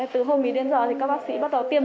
từ hôm mình đến giờ thì các bác sĩ bắt đầu tiêm